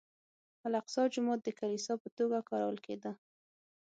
الاقصی جومات د کلیسا په توګه کارول کېده.